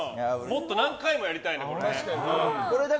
もっと何回もやりたいね、これ。